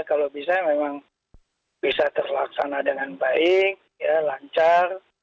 kalau bisa memang bisa terlaksana dengan baik lancar